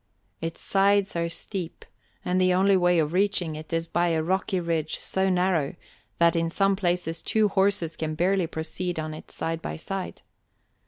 Its sides are steep, and the only way of reaching it is by a rocky ridge so narrow that in some places two horses can barely proceed on it side by side.